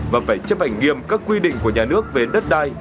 và phải chấp hành nghiêm các quy định của nhà nước về đất đai